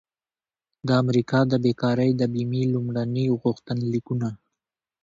د امریکا د بیکارۍ د بیمې لومړني غوښتنلیکونه